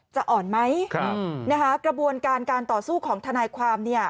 จะอ่อนไหมกระบวนการการต่อสู้ของทนายความเนี่ย